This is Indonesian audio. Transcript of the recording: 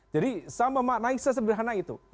jadi sama makna seseberhana itu